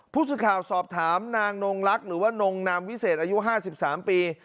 ผู้สื่อข่าวสอบถามนางนงลักษณ์หรือว่านงนามวิเศษอายุ๕๓ปี